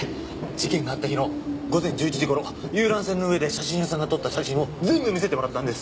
事件があった日の午前１１時頃遊覧船の上で写真屋さんが撮った写真を全部見せてもらったんです。